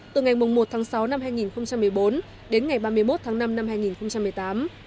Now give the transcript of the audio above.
thời kỳ điều tra xác định hành vi bán pha giá từ ngày một sáu hai nghìn một mươi bảy đến ngày ba mươi một năm hai nghìn một mươi tám